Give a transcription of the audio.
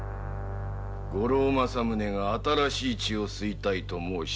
五郎正宗が新しい血を吸いたいと申しておる。